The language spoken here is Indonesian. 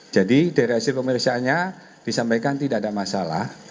jadi dari hasil pemeriksaannya disampaikan tidak ada masalah